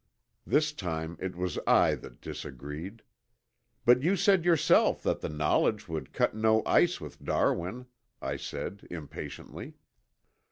This time it was I that disagreed. "But you said yourself that the knowledge would cut no ice with Darwin," I said, impatiently.